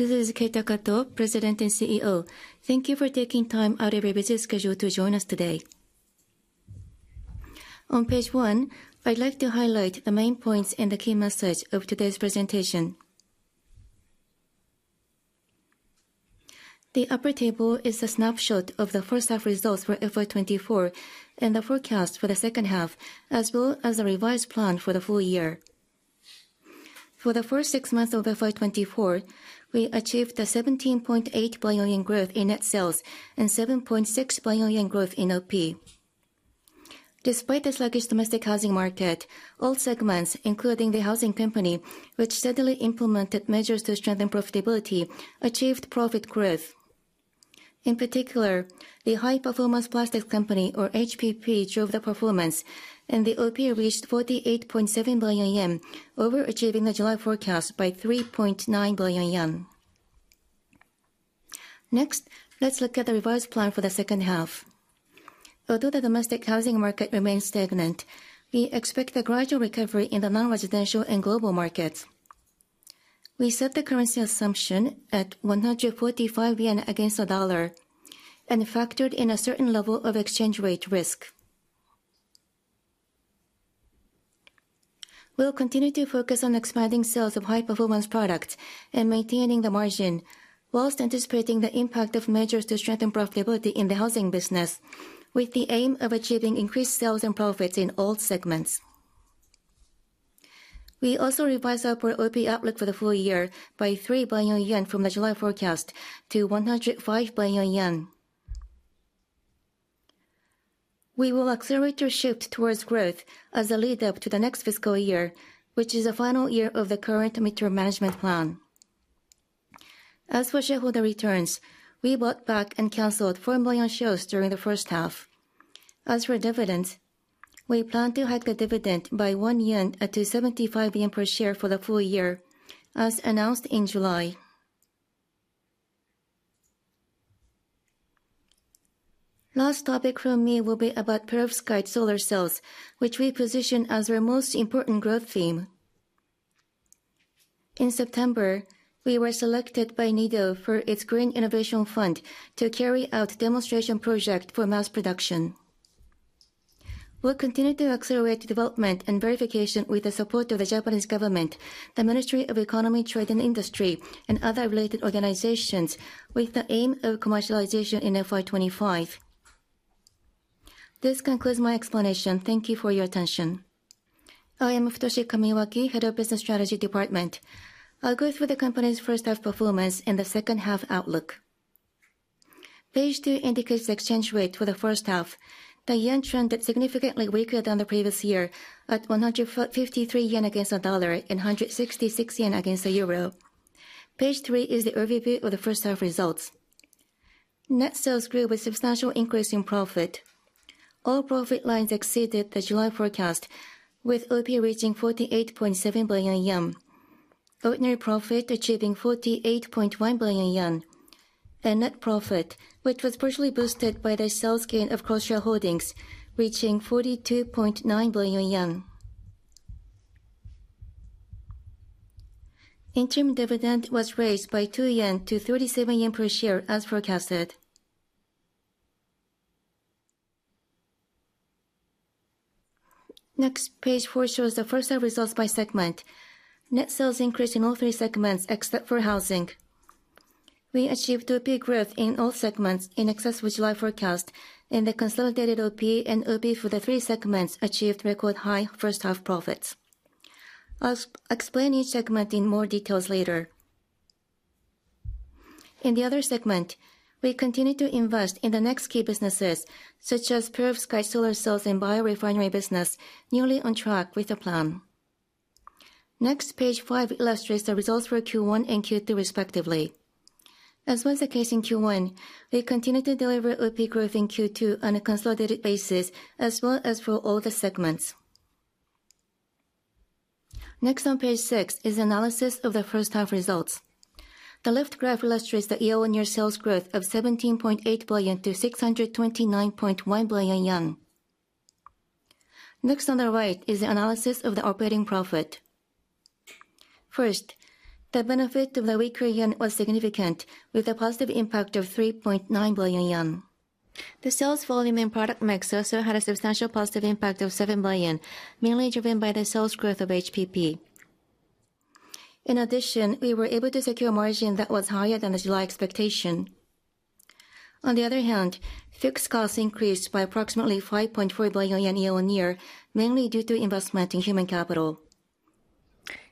This is Keita Kato, President and CEO. Thank you for taking time out of your busy schedule to join us today. On page 1, I'd like to highlight the main points and the key message of today's presentation. The upper table is a snapshot of the first-half results for FY24 and the forecast for the second half, as well as the revised plan for the full year. For the first 6 months of FY24, we achieved a 17.8 billion yen growth in net sales and 7.6 billion yen growth in OP. Despite the sluggish domestic housing market, all segments, including the Housing Company, which steadily implemented measures to strengthen profitability, achieved profit growth. In particular, the High Performance Plastics Company, or HPP, drove the performance, and the OP reached 48.7 billion yen, overachieving the July forecast by 3.9 billion yen. Next, let's look at the revised plan for the second half. Although the domestic housing market remains stagnant, we expect a gradual recovery in the non-residential and global markets. We set the currency assumption at 145 yen against the dollar and factored in a certain level of exchange rate risk. We'll continue to focus on expanding sales of high-performance products and maintaining the margin, whilst anticipating the impact of measures to strengthen profitability in the housing business, with the aim of achieving increased sales and profits in all segments. We also revised our OP outlook for the full year by 3 billion yen from the July forecast to 105 billion yen. We will accelerate our shift towards growth as a lead-up to the next fiscal year, which is the final year of the current medium-term management plan. As for shareholder returns, we bought back and canceled 4 million shares during the first half. As for dividends, we plan to hike the dividend by 1 yen to 75 yen per share for the full year, as announced in July. Last topic from me will be about Perovskite solar cells, which we position as our most important growth theme. In September, we were selected by NEDO for its Green Innovation Fund to carry out a demonstration project for mass production. We'll continue to accelerate development and verification with the support of the Japanese government, the Ministry of Economy, Trade and Industry, and other related organizations, with the aim of commercialization in FY25. This concludes my explanation. Thank you for your attention. I am Futoshi Kamiwaki, Head of Business Strategy Department. I'll go through the company's first-half performance and the second-half outlook. Page 2 indicates the exchange rate for the first half. The yen trended significantly weaker than the previous year at 153 yen against the dollar and 166 yen against the euro. Page 3 is the overview of the first-half results. Net sales grew with a substantial increase in profit. All profit lines exceeded the July forecast, with OP reaching 48.7 billion yen, ordinary profit achieving 48.1 billion yen, and net profit, which was partially boosted by the sales gain of cross-shareholdings, reaching JPY 42.9 billion. Interim dividend was raised by 2 yen to 37 yen per share as forecasted. Next, page 4 shows the first-half results by segment. Net sales increased in all three segments except for housing. We achieved OP growth in all segments in excess of the July forecast, and the consolidated OP and EBITDA for the three segments achieved record-high first-half profits. I'll explain each segment in more details later. In the other segment, we continue to invest in the next key businesses, such as Perovskite solar cells and biorefinery business, newly on track with the plan. Next, page 5 illustrates the results for Q1 and Q2 respectively. As was the case in Q1, we continue to deliver OP growth in Q2 on a consolidated basis as well as for all the segments. Next on page 6 is the analysis of the first-half results. The left graph illustrates the year-on-year sales growth of 17.8 billion to 629.1 billion yen. Next on the right is the analysis of the operating profit. First, the benefit of the weaker yen was significant, with a positive impact of 3.9 billion yen. The sales volume and product mix also had a substantial positive impact of 7 billion, mainly driven by the sales growth of HPP. In addition, we were able to secure a margin that was higher than the July expectation. On the other hand, fixed costs increased by approximately 5.4 billion yen year-on-year, mainly due to investment in human capital.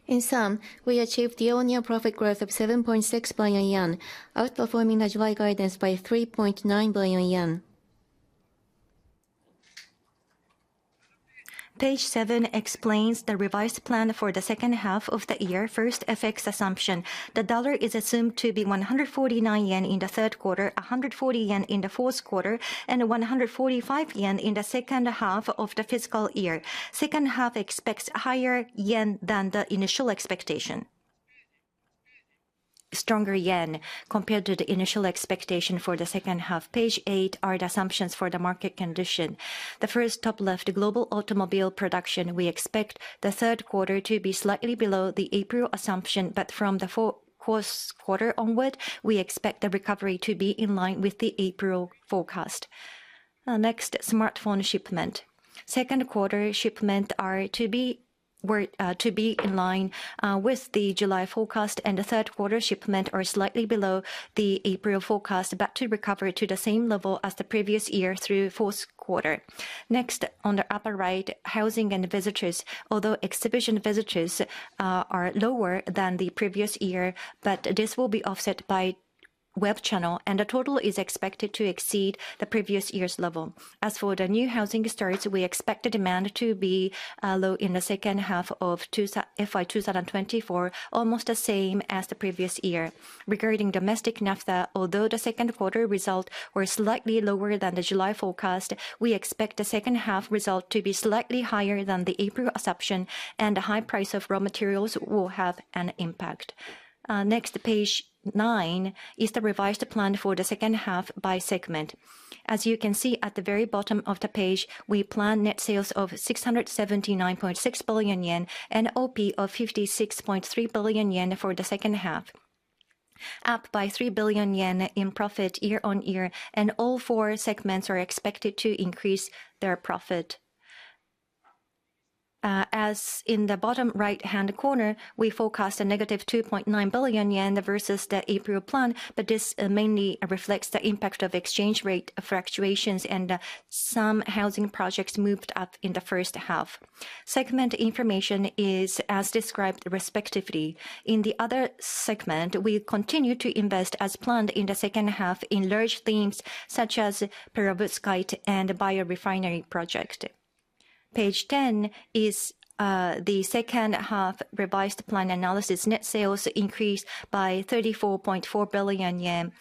In sum, we achieved year-on-year profit growth of 7.6 billion yen, outperforming the July guidance by 3.9 billion yen. Page 7 explains the revised plan for the second half of the year first FX assumption. The dollar is assumed to be 149 yen in the third quarter, 140 yen in the fourth quarter, and 145 yen in the second half of the fiscal year. Second half expects higher yen than the initial expectation. Stronger yen compared to the initial expectation for the second half. Page eight are the assumptions for the market condition. The first, top left: global automobile production. We expect the third quarter to be slightly below the April assumption, but from the fourth quarter onward, we expect the recovery to be in line with the April forecast. Next, smartphone shipments. Second quarter shipments are to be in line with the July forecast, and the third quarter shipments are slightly below the April forecast, but to recover to the same level as the previous year through fourth quarter. Next, on the upper right, housing and visitors. Although exhibition visitors are lower than the previous year, this will be offset by web channel, and the total is expected to exceed the previous year's level. As for the new housing starts, we expect the demand to be low in the second half of FY2024, almost the same as the previous year. Regarding domestic naphtha, although the second quarter result was slightly lower than the July forecast, we expect the second half result to be slightly higher than the April assumption, and the high price of raw materials will have an impact. Next, page 9 is the revised plan for the second half by segment. As you can see at the very bottom of the page, we plan net sales of 679.6 billion yen and OP of 56.3 billion yen for the second half, up by 3 billion yen in profit year-on-year, and all four segments are expected to increase their profit. As in the bottom right-hand corner, we forecast a negative 2.9 billion yen versus the April plan, but this mainly reflects the impact of exchange rate fluctuations and some housing projects moved up in the first half. Segment information is as described respectively. In the other segment, we continue to invest as planned in the second half in large themes such as Perovskite and Biorefinery project. Page 10 is the second half revised plan analysis. Net sales increased by 34.4 billion yen,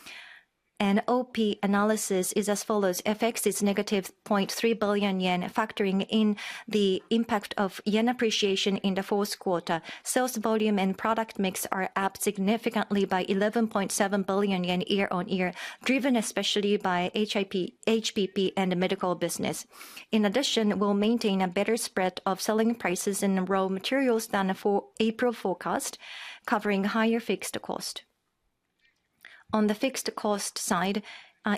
and OP analysis is as follows: FX is negative 0.3 billion yen, factoring in the impact of yen appreciation in the fourth quarter. Sales volume and product mix are up significantly by 11.7 billion yen year-on-year, driven especially by HPP and the medical business. In addition, we'll maintain a better spread of selling prices in raw materials than for April forecast, covering higher fixed cost. On the fixed cost side,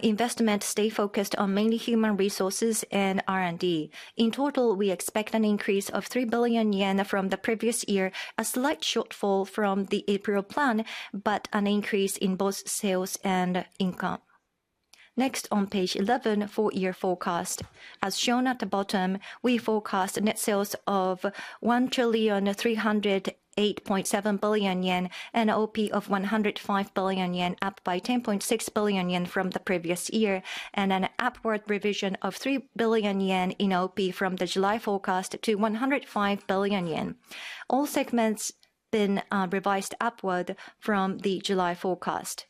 investment stays focused on mainly human resources and R&D. In total, we expect an increase of 3 billion yen from the previous year, a slight shortfall from the April plan, but an increase in both sales and income. Next, on page 11, four-year forecast. As shown at the bottom, we forecast net sales of 1 trillion 308.7 billion and OP of 105 billion yen, up by 10.6 billion yen from the previous year, and an upward revision of 3 billion yen in OP from the July forecast to 105 billion yen. All segments have been revised upward from the July forecast.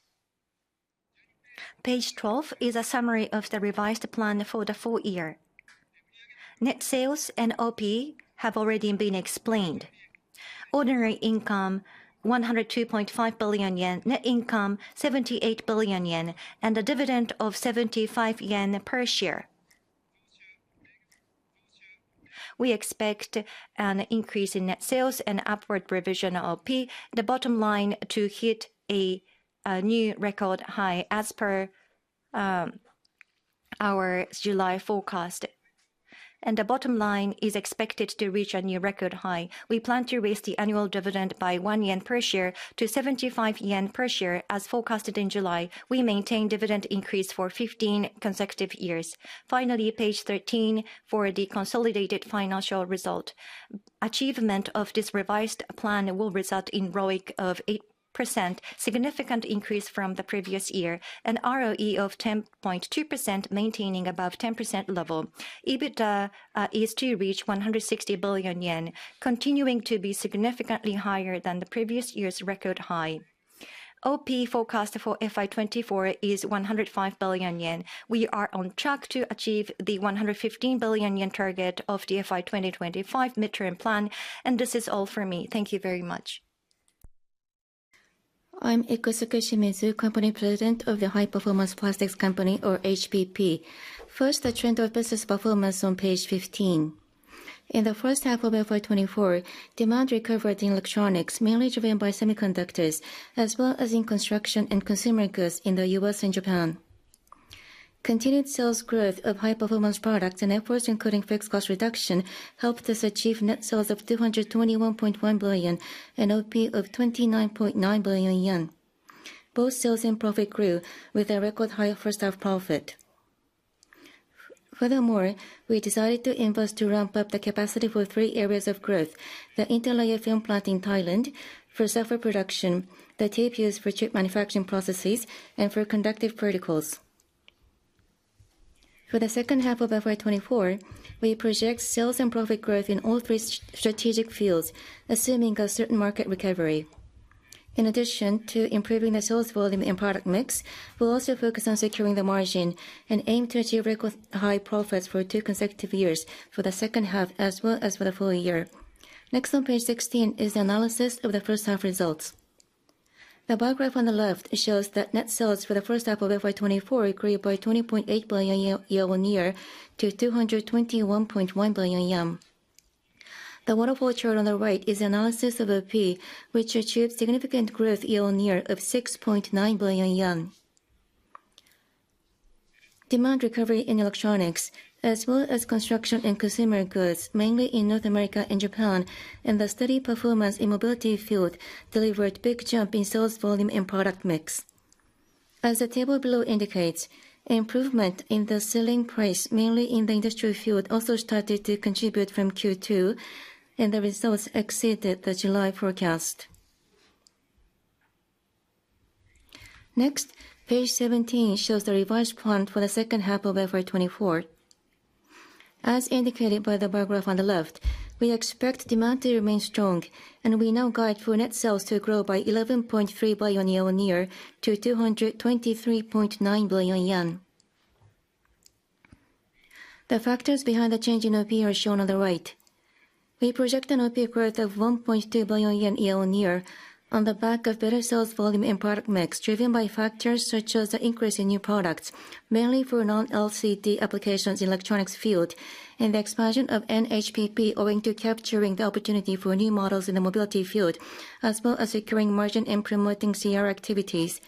Page 12 is a summary of the revised plan for the full year. Net sales and OP have already been explained. Ordinary income 102.5 billion yen, net income 78 billion yen, and a dividend of 75 yen per share. We expect an increase in net sales and upward revision of OP, the bottom line, to hit a new record high as per our July forecast. The bottom line is expected to reach a new record high. We plan to raise the annual dividend by 1 yen per share to 75 yen per share as forecasted in July. We maintain dividend increase for 15 consecutive years. Finally, page 13 for the consolidated financial result. Achievement of this revised plan will result in ROIC of 8%, significant increase from the previous year, and ROE of 10.2%, maintaining above 10% level. EBITDA is to reach 160 billion yen, continuing to be significantly higher than the previous year's record high. OP forecast for FY2024 is 105 billion yen. We are on track to achieve the 115 billion yen target of the FY2025 midterm plan, and this is all for me. Thank you very much. I'm Ikusuke Shimizu, President of the High Performance Plastics Company, or HPP. First, the trend of business performance on page 15. In the first half of FY24, demand recovered in electronics, mainly driven by semiconductors, as well as in construction and consumer goods in the U.S. and Japan. Continued sales growth of high-performance products and efforts, including fixed cost reduction, helped us achieve net sales of 221.1 billion and OP of 29.9 billion yen. Both sales and profit grew with a record high first-half profit. Furthermore, we decided to invest to ramp up the capacity for three areas of growth: the interlayer film plant in Thailand, for S-LEC production, the tape use for chip manufacturing processes, and for conductive particles. For the second half of FY24, we project sales and profit growth in all three strategic fields, assuming a certain market recovery. In addition to improving the sales volume and product mix, we'll also focus on securing the margin and aim to achieve record-high profits for two consecutive years for the second half as well as for the full year. Next on page 16 is the analysis of the first-half results. The bar graph on the left shows that net sales for the first half of FY24 grew by 20.8 billion yen year-on-year to 221.1 billion yen. The waterfall chart on the right is the analysis of OP, which achieved significant growth year-on-year of 6.9 billion yen. Demand recovery in electronics, as well as construction and consumer goods, mainly in North America and Japan, and the steady performance in mobility field delivered a big jump in sales volume and product mix. As the table below indicates, improvement in the selling price, mainly in the industry field, also started to contribute from Q2, and the results exceeded the July forecast. Next, page 17 shows the revised plan for the second half of FY2024. As indicated by the bar graph on the left, we expect demand to remain strong, and we now guide for net sales to grow by 11.3 billion yen year-on-year to 223.9 billion yen. The factors behind the change in OP are shown on the right. We project an OP growth of 1.2 billion yen year-on-year on the back of better sales volume and product mix, driven by factors such as the increase in new products, mainly for non-LCD applications in the electronics field, and the expansion of HPP owing to capturing the opportunity for new models in the mobility field, as well as securing margin and promoting CR activities.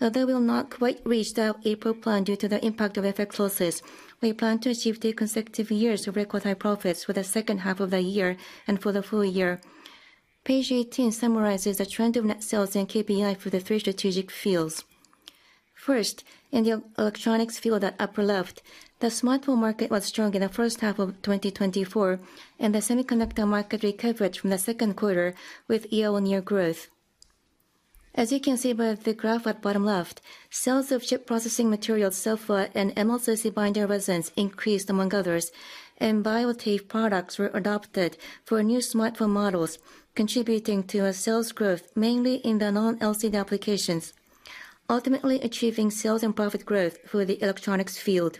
Although we'll not quite reach the April plan due to the impact of FX losses, we plan to achieve two consecutive years of record-high profits for the second half of the year and for the full year. Page 18 summarizes the trend of net sales and KPI for the three strategic fields. First, in the electronics field at upper left, the smartphone market was strong in the first half of 2024, and the semiconductor market recovered from the second quarter with year-on-year growth. As you can see by the graph at bottom left, sales of chip processing materials, SELFA, and MLCC binder resins increased among others, and Bio-Tape products were adopted for new smartphone models, contributing to sales growth mainly in the non-LCD applications, ultimately achieving sales and profit growth for the electronics field.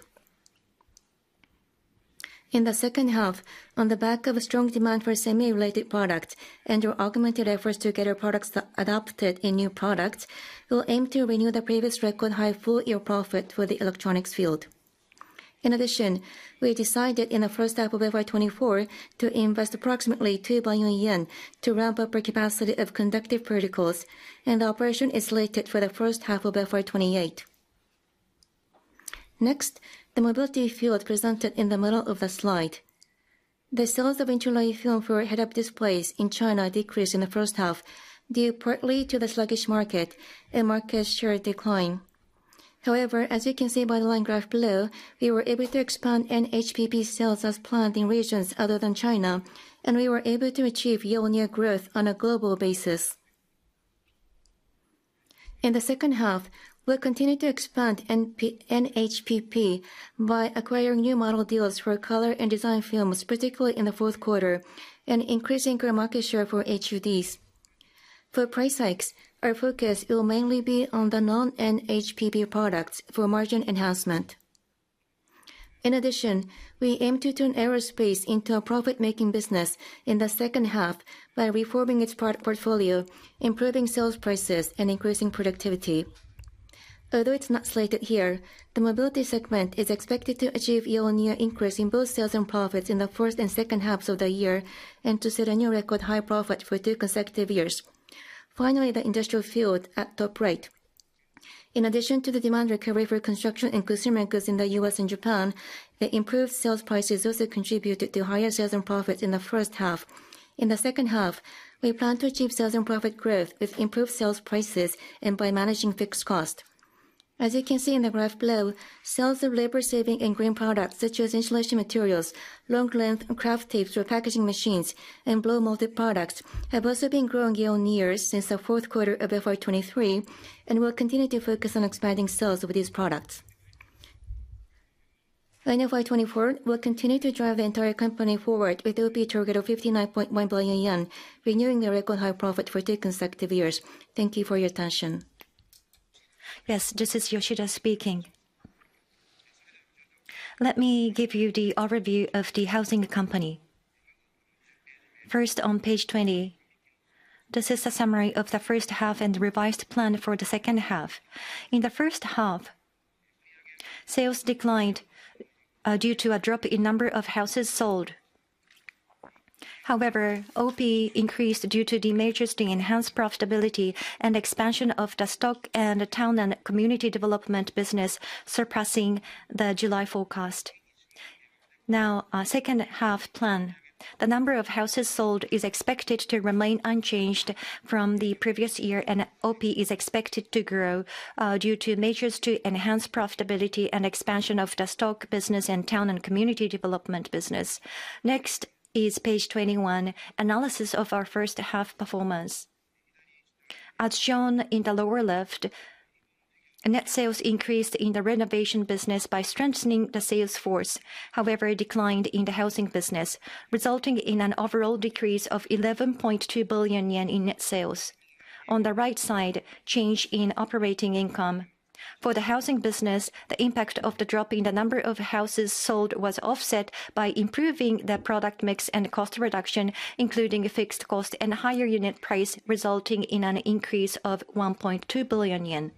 In the second half, on the back of strong demand for semi-related products and our augmented efforts to get our products adopted in new products, we'll aim to renew the previous record-high full-year profit for the electronics field. In addition, we decided in the first half of FY24 to invest approximately 2 billion yen to ramp up our capacity of conductive particles, and the operation is slated for the first half of FY28. Next, the mobility field presented in the middle of the slide. The sales of interlayer film for head-up displays in China decreased in the first half due partly to the sluggish market and market share decline. However, as you can see by the line graph below, we were able to expand HPP sales as planned in regions other than China, and we were able to achieve year-on-year growth on a global basis. In the second half, we'll continue to expand HPP by acquiring new model deals for color and design films, particularly in the fourth quarter, and increasing our market share for HUDs. For price hikes, our focus will mainly be on the non-HPP products for margin enhancement. In addition, we aim to turn aerospace into a profit-making business in the second half by reforming its portfolio, improving sales prices, and increasing productivity. Although it's not slated here, the mobility segment is expected to achieve year-on-year increase in both sales and profits in the first and second halves of the year and to set a new record-high profit for two consecutive years. Finally, the industrial field at top right. In addition to the demand recovery for construction and consumer goods in the U.S. and Japan, the improved sales prices also contributed to higher sales and profits in the first half. In the second half, we plan to achieve sales and profit growth with improved sales prices and by managing fixed cost. As you can see in the graph below, sales of labor-saving and green products such as insulation materials, long-length Kraft tapes for packaging machines, and blow molded products have also been growing year-on-year since the fourth quarter of FY23, and we'll continue to focus on expanding sales of these products. In FY24, we'll continue to drive the entire company forward with OP target of 59.1 billion yen, renewing the record-high profit for two consecutive years. Thank you for your attention. Yes, this is Yoshida speaking. Let me give you the overview of the Housing Company. First, on page 20, this is a summary of the first half and the revised plan for the second half. In the first half, sales declined due to a drop in number of houses sold. However, OP increased due to the measures being enhanced profitability and expansion of the stock and Town and Community Development Business, surpassing the July forecast. Now, second half plan. The number of houses sold is expected to remain unchanged from the previous year, and OP is expected to grow due to measures to enhance profitability and expansion of the stock business and Town and Community Development Business. Next is page 21, analysis of our first half performance. As shown in the lower left, net sales increased in the renovation business by strengthening the sales force. However, it declined in the housing business, resulting in an overall decrease of 11.2 billion yen in net sales. On the right side, change in operating income. For the housing business, the impact of the drop in the number of houses sold was offset by improving the product mix and cost reduction, including fixed cost and higher unit price, resulting in an increase of 1.2 billion yen.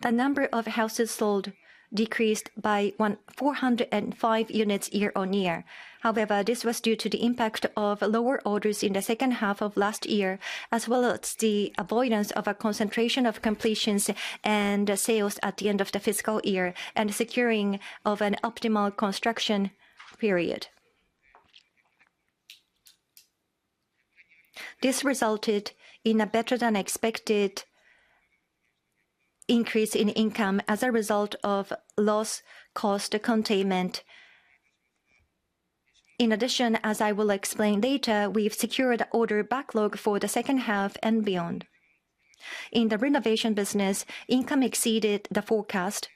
The number of houses sold decreased by 405 units year-on-year. However, this was due to the impact of lower orders in the second half of last year, as well as the avoidance of a concentration of completions and sales at the end of the fiscal year and securing of an optimal construction period. This resulted in a better-than-expected increase in income as a result of loss cost containment. In addition, as I will explain later, we've secured an order backlog for the second half and beyond. In the renovation business, income exceeded the forecast,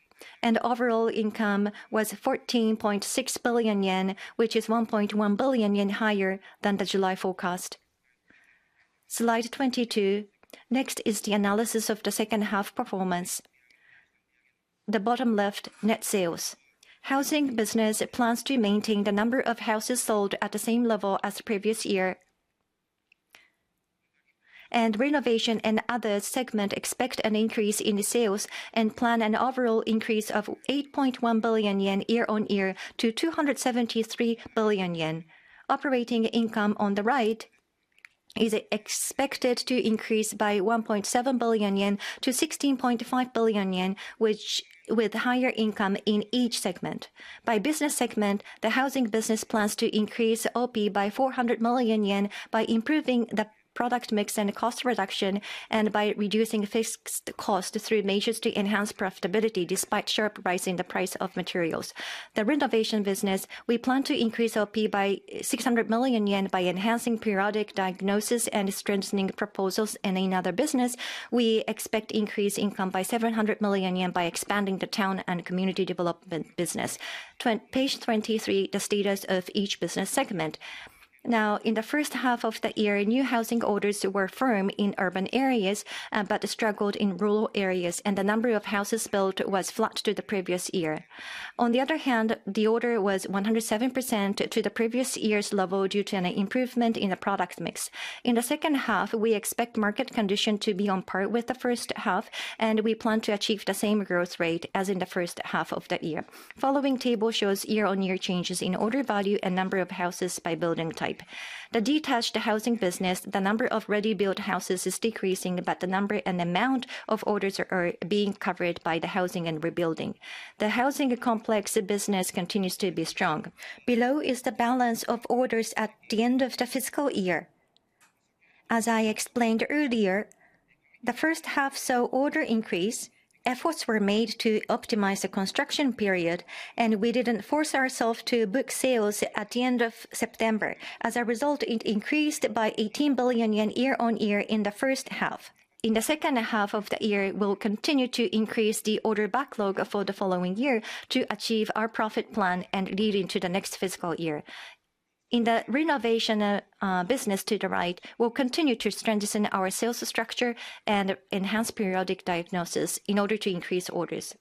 and overall income was 14.6 billion yen, which is 1.1 billion yen higher than the July forecast. Slide 22. Next is the analysis of the second half performance. The bottom left, net sales. Housing business plans to maintain the number of houses sold at the same level as the previous year, and renovation and other segments expect an increase in sales and plan an overall increase of 8.1 billion yen year-on-year to 273 billion yen. Operating income on the right is expected to increase by 1.7 billion yen to 16.5 billion yen, with higher income in each segment. By business segment, the housing business plans to increase OP by 400 million yen by improving the product mix and cost reduction and by reducing fixed costs through measures to enhance profitability despite sharp rising the price of materials. The renovation business, we plan to increase OP by 600 million yen by enhancing periodic diagnosis and strengthening proposals in another business. We expect increased income by 700 million yen by expanding the Town and Community Development Business. Page 23, the status of each business segment. Now, in the first half of the year, new housing orders were firm in urban areas but struggled in rural areas, and the number of houses built was flat to the previous year. On the other hand, the order was 107% to the previous year's level due to an improvement in the product mix. In the second half, we expect market condition to be on par with the first half, and we plan to achieve the same growth rate as in the first half of the year. Following table shows year-on-year changes in order value and number of houses by building type. The detached housing business, the number of ready-built houses is decreasing, but the number and amount of orders are being covered by the housing and rebuilding. The housing complex business continues to be strong. Below is the balance of orders at the end of the fiscal year. As I explained earlier, the first half saw order increase. Efforts were made to optimize the construction period, and we didn't force ourselves to book sales at the end of September. As a result, it increased by 18 billion yen year-on-year in the first half. In the second half of the year, we'll continue to increase the order backlog for the following year to achieve our profit plan and lead into the next fiscal year. In the renovation business to the right, we'll continue to strengthen our sales structure and enhance periodic diagnosis in order to increase orders.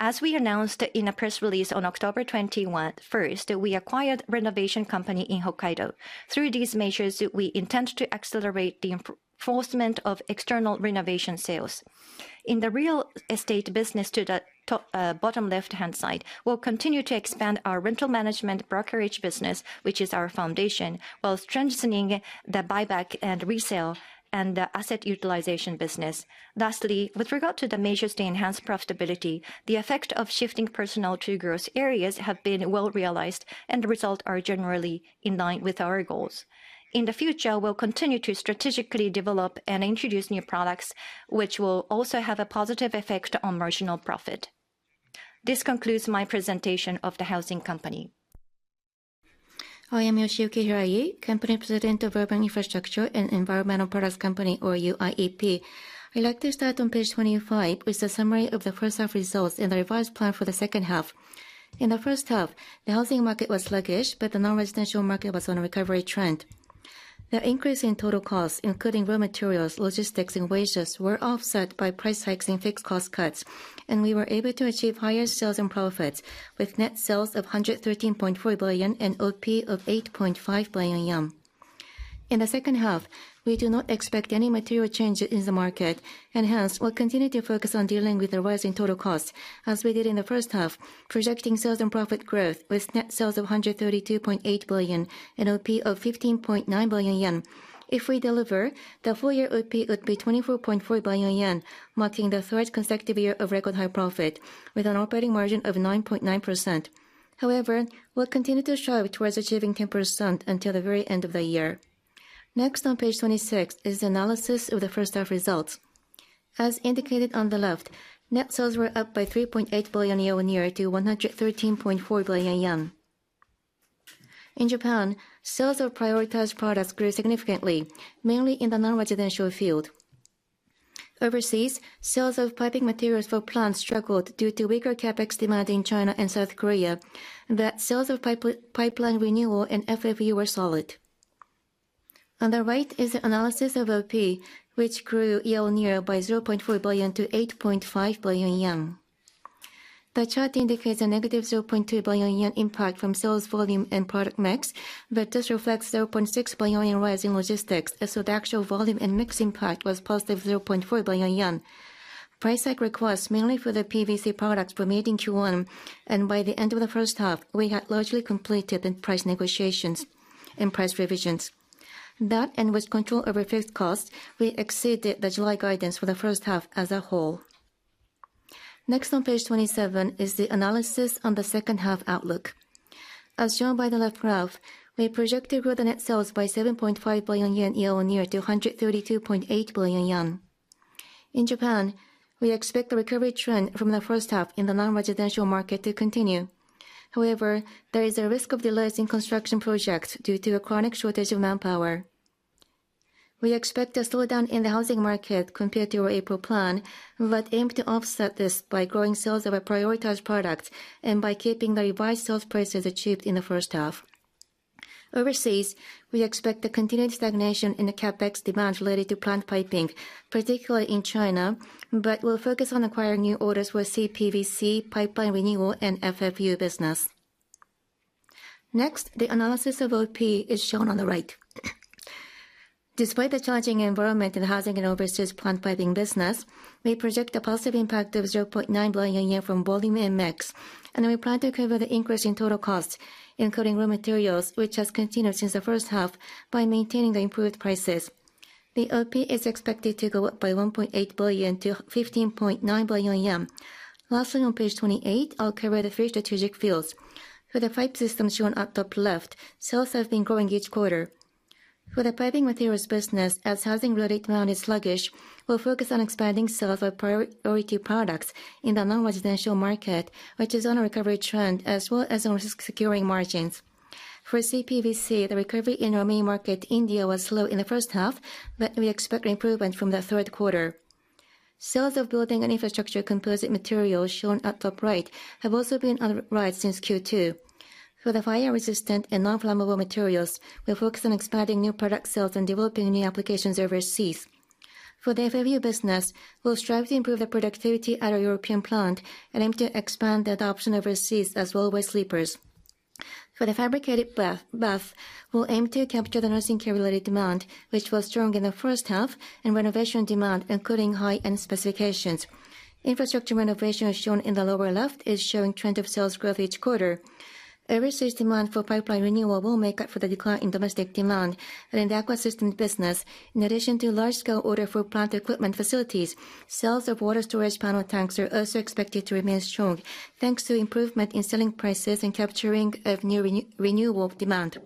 As we announced in a press release on October 21st, we acquired a renovation company in Hokkaido. Through these measures, we intend to accelerate the reinforcement of external renovation sales. In the real estate business to the bottom left-hand side, we'll continue to expand our rental management brokerage business, which is our foundation, while strengthening the buyback and resale and the asset utilization business. Lastly, with regard to the measures to enhance profitability, the effect of shifting personnel to growth areas has been well realized, and the results are generally in line with our goals. In the future, we'll continue to strategically develop and introduce new products, which will also have a positive effect on marginal profit. This concludes my presentation of the housing company. I am Yoshiyuki Hirai, Company President of Urban Infrastructure and Environmental Products Company, or UIEP. I'd like to start on page 25 with the summary of the first half results and the revised plan for the second half. In the first half, the housing market was sluggish, but the non-residential market was on a recovery trend. The increase in total costs, including raw materials, logistics, and wages, were offset by price hikes and fixed cost cuts, and we were able to achieve higher sales and profits with net sales of 113.4 billion and OP of 8.5 billion yen. In the second half, we do not expect any material changes in the market, and hence, we'll continue to focus on dealing with the rising total costs as we did in the first half, projecting sales and profit growth with net sales of 132.8 billion and OP of 15.9 billion yen. If we deliver, the full-year OP would be 24.4 billion yen, marking the third consecutive year of record-high profit with an operating margin of 9.9%. However, we'll continue to strive towards achieving 10% until the very end of the year. Next on page 26 is the analysis of the first half results. As indicated on the left, net sales were up by 3.8 billion yen year-on-year to 113.4 billion yen. In Japan, sales of prioritized products grew significantly, mainly in the non-residential field. Overseas, sales of piping materials for plants struggled due to weaker CapEx demand in China and South Korea, but sales of pipeline renewal and FFU were solid. On the right is the analysis of OP, which grew year-on-year by 0.4 billion JPY to 8.5 billion yen. The chart indicates a negative 0.2 billion yen impact from sales volume and product mix, but this reflects 0.6 billion yen rise in logistics, so the actual volume and mix impact was positive 0.4 billion yen. Price hike requests mainly for the PVC products remained in Q1, and by the end of the first half, we had largely completed the price negotiations and price revisions. That, and with control over fixed costs, we exceeded the July guidance for the first half as a whole. Next on page 27 is the analysis on the second half outlook. As shown by the left graph, we projected growth in net sales by 7.5 billion yen year-on-year to 132.8 billion yen. In Japan, we expect the recovery trend from the first half in the non-residential market to continue. However, there is a risk of delays in construction projects due to a chronic shortage of manpower. We expect a slowdown in the housing market compared to our April plan, but aim to offset this by growing sales of our prioritized products and by keeping the revised sales prices achieved in the first half. Overseas, we expect the continued stagnation in the CapEx demand related to plant piping, particularly in China, but we'll focus on acquiring new orders for CPVC, pipeline renewal, and FFU business. Next, the analysis of OP is shown on the right. Despite the challenging environment in housing and overseas plant piping business, we project a positive impact of 0.9 billion yen from volume and mix, and we plan to cover the increase in total costs, including raw materials, which has continued since the first half, by maintaining the improved prices. The OP is expected to go up by 1.8 billion to 15.9 billion yen. Lastly, on page 28, I'll cover the three strategic fields. For the pipe system shown at top left, sales have been growing each quarter. For the piping materials business, as housing-related demand is sluggish, we'll focus on expanding sales of priority products in the non-residential market, which is on a recovery trend, as well as on risk-securing margins. For CPVC, the recovery in our main market, India, was slow in the first half, but we expect improvement from the third quarter. Sales of building and infrastructure composite materials, shown at top right, have also been on the rise since Q2. For the fire-resistant and non-flammable materials, we'll focus on expanding new product sales and developing new applications overseas. For the FFU business, we'll strive to improve the productivity at our European plant and aim to expand the adoption overseas as well as sleepers. For the fabricated bath, we'll aim to capture the nursing care-related demand, which was strong in the first half, and renovation demand, including high-end specifications. Infrastructure renovation, as shown in the lower left, is showing a trend of sales growth each quarter. Overseas demand for pipeline renewal will make up for the decline in domestic demand, and in the Aqua Systems business, in addition to large-scale orders for plant equipment facilities, sales of water storage panel tanks are also expected to remain strong, thanks to improvement in selling prices and capturing of new renewal demand.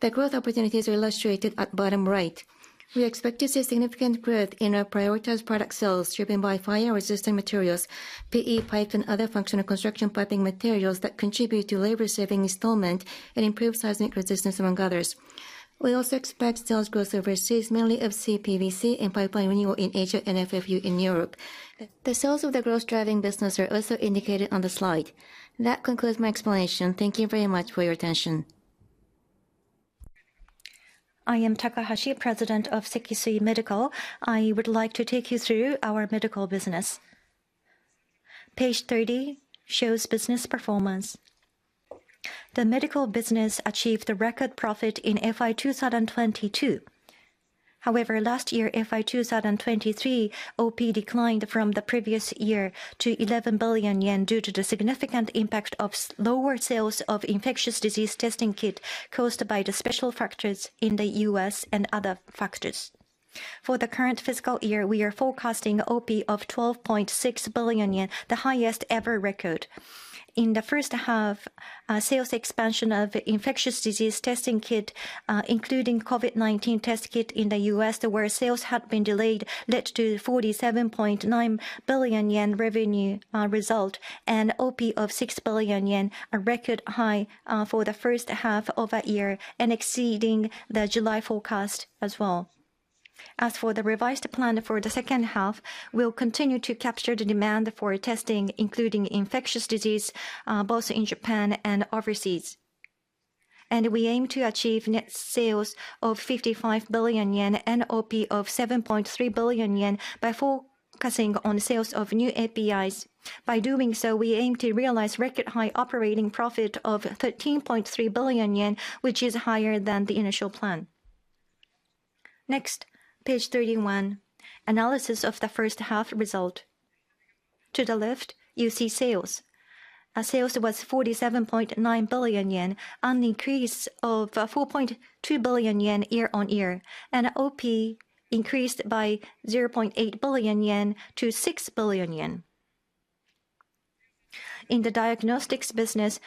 The growth opportunities are illustrated at bottom right. We expect to see significant growth in our prioritized product sales driven by fire-resistant materials, PE pipes, and other functional construction piping materials that contribute to labor-saving installment and improved seismic resistance, among others. We also expect sales growth overseas, mainly of CPVC and pipeline renewal in Asia and FFU in Europe. The sales of the growth-driving business are also indicated on the slide. That concludes my explanation. Thank you very much for your attention. I am Takahisa Yamaguchi, President of Sekisui Medical. I would like to take you through our medical business. Page 30 shows business performance. The medical business achieved a record profit in FI 2022. However, last year, FI 2023, OP declined from the previous year to 11 billion yen due to the significant impact of lower sales of infectious disease testing kit caused by the special factors in the U.S. and other factors. For the current fiscal year, we are forecasting OP of 12.6 billion yen, the highest-ever record. In the first half, sales expansion of infectious disease testing kit, including COVID-19 test kit in the U.S., where sales had been delayed, led to 47.9 billion yen revenue result and OP of 6 billion yen, a record high for the first half of a year and exceeding the July forecast as well. As for the revised plan for the second half, we'll continue to capture the demand for testing, including infectious disease, both in Japan and overseas. And we aim to achieve net sales of 55 billion yen and OP of 7.3 billion yen by focusing on sales of new APIs. By doing so, we aim to realize record-high operating profit of 13.3 billion yen, which is higher than the initial plan. Next, page 31, analysis of the first half result. To the left, you see sales. Sales was 47.9 billion yen, an increase of 4.2 billion yen year-on-year, and OP increased by 0.8 billion yen to 6 billion yen. In the diagnostics business,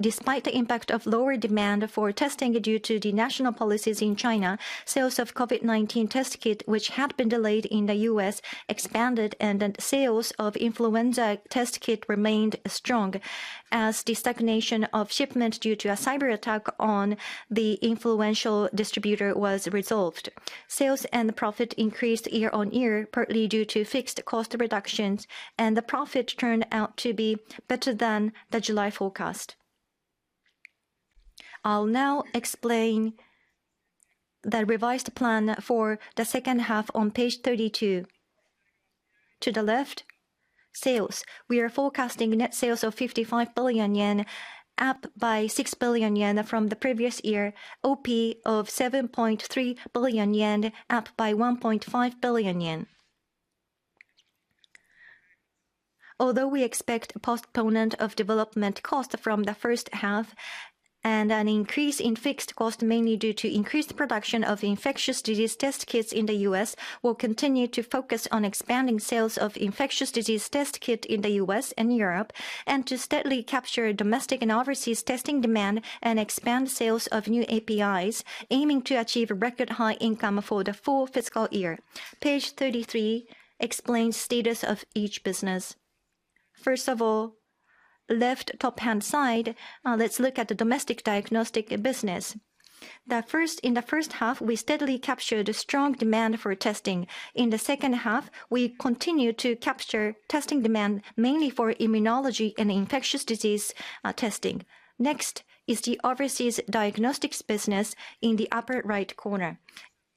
despite the impact of lower demand for testing due to the national policies in China, sales of COVID-19 test kit, which had been delayed in the U.S., expanded, and sales of influenza test kit remained strong as the stagnation of shipment due to a cyber attack on the influential distributor was resolved. Sales and profit increased year-on-year, partly due to fixed cost reductions, and the profit turned out to be better than the July forecast. I'll now explain the revised plan for the second half on page 32. To the left, sales. We are forecasting net sales of 55 billion yen up by 6 billion yen from the previous year, OP of 7.3 billion yen up by 1.5 billion yen. Although we expect a postponement of development costs from the first half and an increase in fixed costs, mainly due to increased production of infectious disease test kits in the U.S., we'll continue to focus on expanding sales of infectious disease test kit in the U.S. and Europe and to steadily capture domestic and overseas testing demand and expand sales of new APIs, aiming to achieve record-high income for the full fiscal year. Page 33 explains status of each business. First of all, left top-hand side, let's look at the domestic diagnostic business. In the first half, we steadily captured strong demand for testing. In the second half, we continue to capture testing demand, mainly for immunology and infectious disease testing. Next is the overseas diagnostics business in the upper right corner.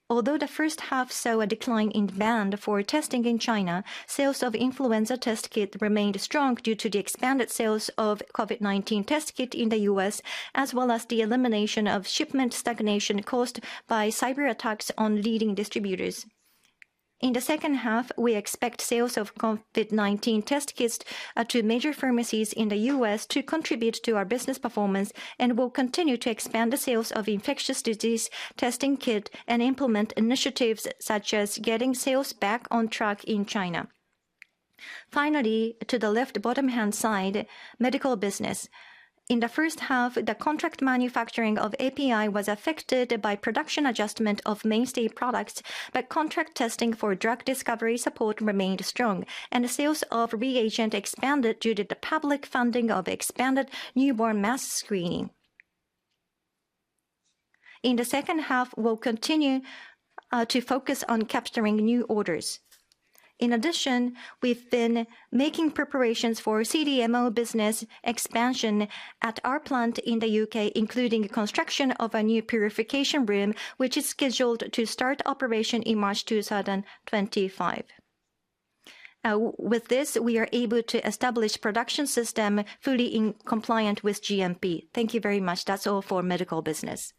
Although the first half saw a decline in demand for testing in China, sales of influenza test kit remained strong due to the expanded sales of COVID-19 test kit in the U.S., as well as the elimination of shipment stagnation caused by cyber attacks on leading distributors. In the second half, we expect sales of COVID-19 test kits to major pharmacies in the U.S. to contribute to our business performance, and we'll continue to expand the sales of infectious disease testing kit and implement initiatives such as getting sales back on track in China. Finally, to the left bottom-hand side, medical business. In the first half, the contract manufacturing of API was affected by production adjustment of mainstay products, but contract testing for drug discovery support remained strong, and sales of reagent expanded due to the public funding of expanded newborn mass screening. In the second half, we'll continue to focus on capturing new orders. In addition, we've been making preparations for CDMO business expansion at our plant in the U.K., including construction of a new purification room, which is scheduled to start operation in March 2025. With this, we are able to establish a production system fully compliant with GMP. Thank you very much. That's all for medical business.